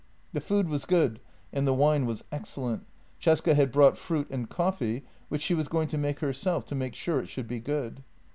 The food was good and the wine was excellent; Cesca had brought fruit, and coffee, which she was going to make herself, to make sure it should be good.